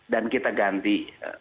dan kita ganti